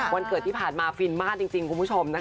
วันเกิดที่ผ่านมาฟินมากจริงคุณผู้ชมนะคะ